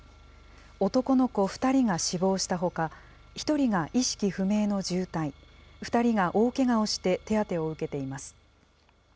男の子２人が死亡したほか、１人が意識不明の重体、２人が大けがをして、手当てを受けています。